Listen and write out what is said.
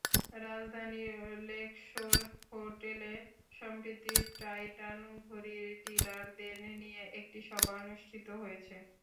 রাজধানীর লেকশোর হোটেলে সম্প্রতি টাইটান ঘড়ির ডিলারদের নিয়ে একটি সভা অনুষ্ঠিত হয়েছে।